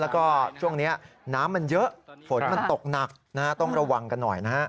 แล้วก็ช่วงนี้น้ำมันเยอะฝนมันตกหนักนะฮะต้องระวังกันหน่อยนะฮะ